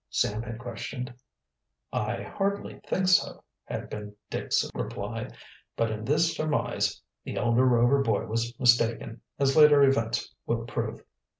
Sam had questioned. "I hardly think so," had been Dick's reply. But in this surmise the elder Rover boy was mistaken, as later events will prove.